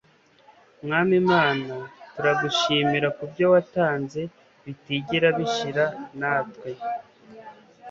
mwami mana, turagushimira kubyo watanze bitigera bishira, natwe